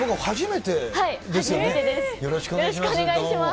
よろしくお願いします。